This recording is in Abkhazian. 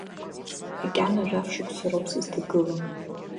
Макьана жәаф шықәса роуп сызҭагылоу.